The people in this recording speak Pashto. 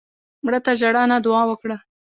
مړه ته ژړا نه، دعا وکړه